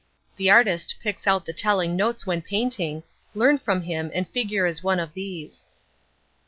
The artist picks out the telling notes when painting, learn from him and figure as one of these.